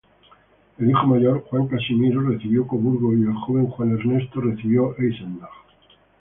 El hijo mayor, Juan Casimiro, recibió Coburgo, y el joven, Juan Ernesto, recibió Eisenach.